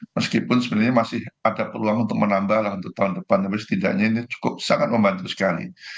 meskipun sebenarnya masih ada peluang untuk menambah lah untuk tahun depan tapi setidaknya ini cukup sangat membantu sekali